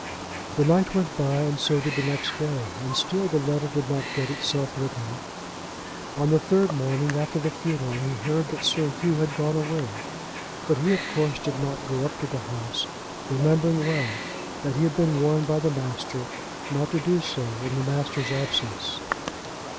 The night went by and so did the next day, and still the letter did not get itself written. On the third morning after the funeral he heard that Sir Hugh had gone away; but he, of course, did not go up to the house, remembering well that he had been warned by the master not to do so in the master's absence.